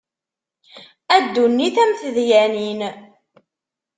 A ddunit a mm tedyanin.